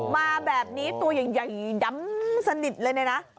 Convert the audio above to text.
มาแบบนี้ตัวใหญ่ดำสนิทเลยเนี่ยนะ